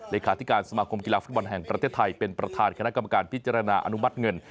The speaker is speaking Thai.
เลขาธิการสมาคมกีฬาฟุตบอลแห่งประเทศไทยเป็นประธานคณะกรรมการพิจารณาอนุมัติเงิน